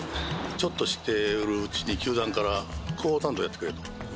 ちょっとしてるうちに球団から広報担当やってくれと。